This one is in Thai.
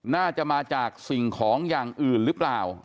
น่าจะมาจากสิ่งของอย่างอื่นหรือเปล่า